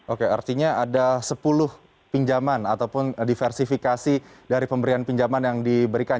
oke artinya ada sepuluh pinjaman ataupun diversifikasi dari pemberian pinjaman yang diberikan